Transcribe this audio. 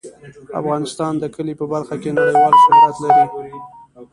افغانستان د کلي په برخه کې نړیوال شهرت لري.